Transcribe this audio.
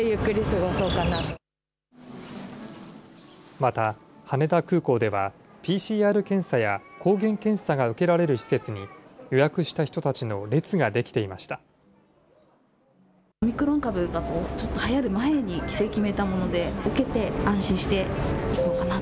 また羽田空港では、ＰＣＲ検査や抗原検査が受けられる施設に予約した人たちの列が出来ていました。